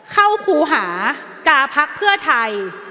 เข้าภูหากาภักดิ์เพื่อไทย